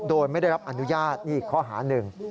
โดยไม่ได้รับอนุญาตนี่อีกข้อหาหนึ่ง